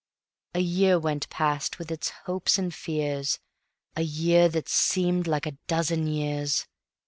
A year went past with its hopes and fears, A year that seemed like a dozen years.